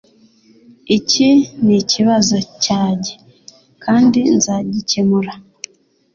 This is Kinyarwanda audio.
Iki nikibazo cyanjye kandi nzagikemura.